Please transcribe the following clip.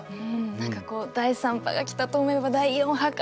何かこう第３波が来たと思えば第４波か。